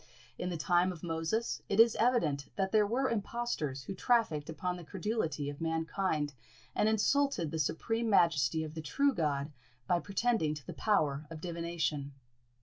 In the time of Moses, it is evident that there were impostors who trafficked upon the credulity of mankind, and insulted the supreme majesty of the true God by pretending to the power of divination.